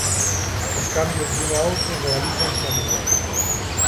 Os cambios dun a outro realízanse a nivel.